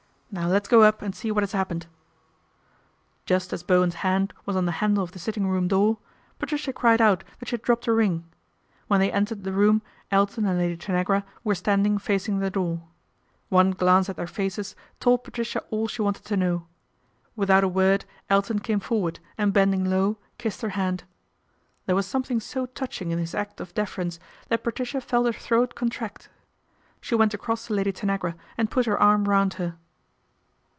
Now let's go up and see what has happened." Just as Bowen's hand was on the handle of the sitting room door, Patricia cried out that she had dropped a ring. When they entered the room Elton and Lady Tanagra were standing facing the door. One glance at their faces, told Patricia all she wanted to know. Without a word Elton came forward and bending low, kissed her hand. There was something so touching in his act of deference that Patricia felt her throat contract. She went across to Lady Tanagra and put her arm round her.